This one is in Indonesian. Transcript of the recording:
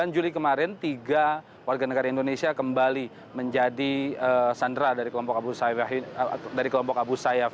sembilan juli kemarin tiga warga negara indonesia kembali menjadi sandera dari kelompok abu sayyaf